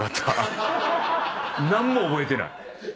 何も覚えてない。